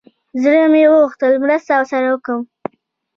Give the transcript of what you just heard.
زړه مې وغوښتل مرسته ورسره وکړم.